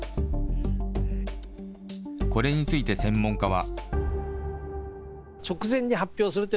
これについて専門家は。